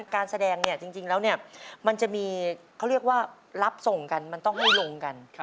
การแสดงเนี่ยจริงแล้วมันจะมีเขาเรียกว่ารับส่งกันมันต้องให้ลงกัน